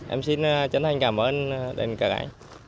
em xin chân thành cảm ơn đến cả ngày